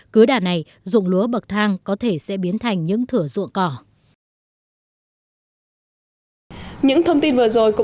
cứ đà này dụng lúa bậc thang có thể sẽ biến thành những thửa ruộng cỏ